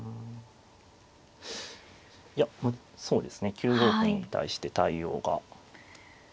いやそうですね９五歩に対して対応が。